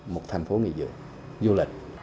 một thành phố nghỉ dưỡng du lịch